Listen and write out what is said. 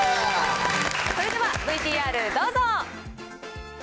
それではＶＴＲどうぞ。